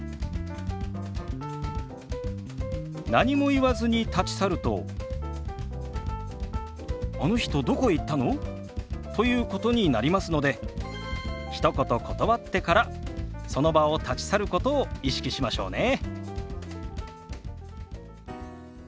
何も言わずに立ち去ると「あの人どこへ行ったの？」ということになりますのでひと言断ってからその場を立ち去ることを意識しましょうね。